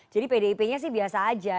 jadi pdip nya sih biasa aja